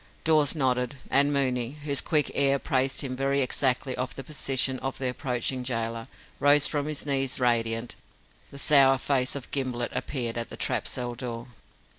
Dawes nodded, and Mooney, whose quick ear apprised him very exactly of the position of the approaching gaoler, rose from his knees radiant. The sour face of Gimblett appeared at the trap cell door.